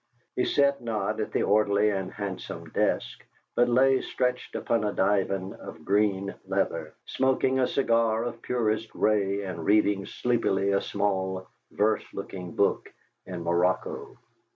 He sat not at the orderly and handsome desk, but lay stretched upon a divan of green leather, smoking a cigar of purest ray and reading sleepily a small verse looking book in morocco.